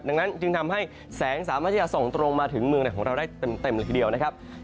ดังนั้นจึงทำให้แสงสามารถที่จะส่องตรงมาถึงเมืองไหนของเราได้เต็มเลยทีเดียวนะครับ